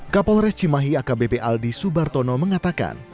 kapolres cimahi akbp aldi subartono mengatakan